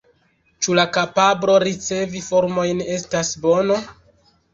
Ĉu la kapablo ricevi “formojn” estas bono?